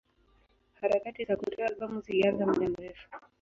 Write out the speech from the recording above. Harakati za kutoa albamu zilianza muda mrefu.